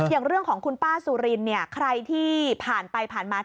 อย่างเรื่องของคุณป้าสุรินเนี่ยใครที่ผ่านไปผ่านมา